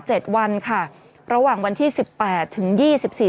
เจ็ดวันค่ะระหว่างวันที่สิบแปดถึงยี่สิบสี่